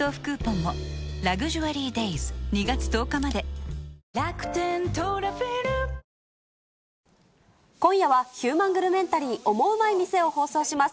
新「アタックＺＥＲＯ」今夜は、ヒューマングルメンタリー、オモウマい店を放送します。